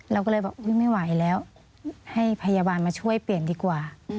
เราก็เลยบอกไม่ไหวแล้วให้พยาบาลมาช่วยเปลี่ยนดีกว่า